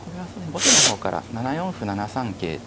後手の方から７四歩７三桂